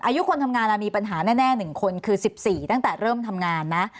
อายุคนทำงานมีปัญหาแน่๑คนคือ๑๔ตั้งแต่เริ่มทำงานนะ